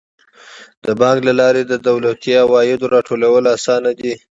د بانک له لارې د دولتي عوایدو راټولول اسانه دي.